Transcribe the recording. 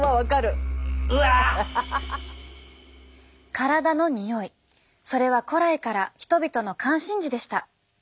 体のにおいそれは古来から人々の関心事でした。